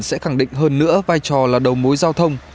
sẽ khẳng định hơn nữa vai trò là đầu mối giao thông